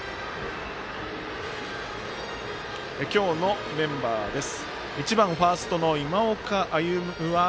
今日のメンバーです。